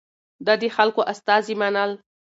ده د خلکو استازي منل.